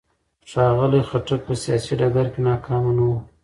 ښاغلي خټک په سیاسي ډګر کې ناکامه نه و.